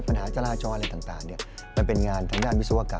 ปัญหาจราจรอะไรต่างมันเป็นงานทางด้านวิศวกรรม